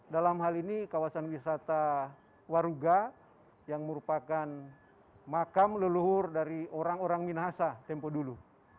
dalam hal ini kawasan wisata waruga yang merupakan makam leluhur dari orang orang minahasa tempo dulu